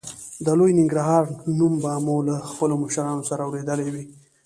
د لوی ننګرهار نوم به مو له خپلو مشرانو اورېدلی وي.